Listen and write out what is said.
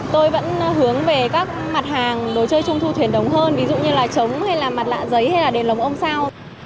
tôi vẫn hướng về các mặt hàng đồ chơi trung thu thuyền thống hơn ví dụ như là trống hay là mặt lạ giấy hay là đèn lồng ông sao